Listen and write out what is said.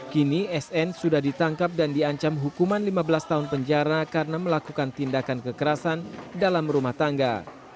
kini sn sudah ditangkap dan diancam hukuman lima belas tahun penjara karena melakukan tindakan kekerasan dalam rumah tangga